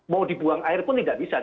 mau dibuang air pun tidak bisa